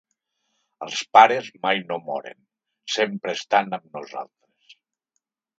Els pares mai no moren, sempre estan amb nosaltres.